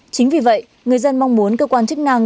chính vì vậy người dân mong muốn cơ quan chức năng